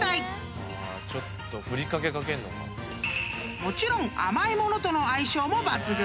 ［もちろん甘い物との相性も抜群］